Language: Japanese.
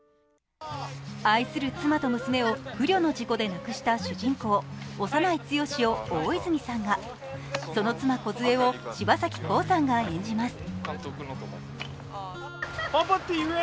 愛する妻と娘を不慮の事故で亡くした主人公、小山内堅を大泉さんが、その妻、梢を柴咲コウさんが演じます。